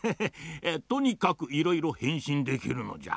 とにかくいろいろへんしんできるのじゃ。